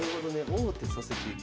王手させていく。